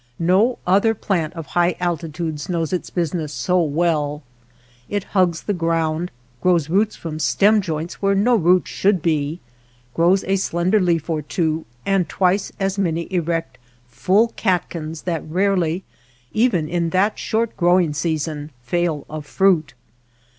No other plant of high altitudes knows its business so well. 212 WATER BORDERS It hugs the ground, grows roots from stem joints where no roots should be, grows a slender leaf or two and twice as many erect full catkins that rarely, even in that short growing season, fail of fruit.